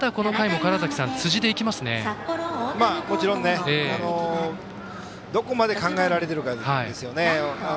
もちろんどこまで考えられているかですね。